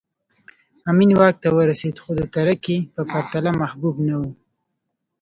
امین واک ته ورسېد خو د ترکي په پرتله محبوب نه و